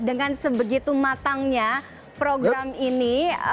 dengan sebegitu matangnya program ini